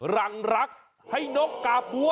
รังรักให้นกกาบบัว